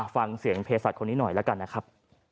ฟังเสียงเพศัตว์คนนี้หน่อยแล้วกันนะครับ